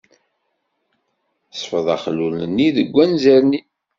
Sfeḍ axlul-nni seg wanzaren-im.